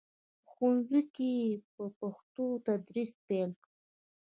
په ښوونځیو کې یې په پښتو تدریس پیل کړ.